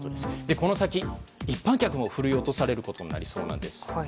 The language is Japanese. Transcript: この先、一般客も振り落とされることになりそうです。